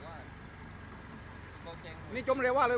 อันนี้เป็นอันนี้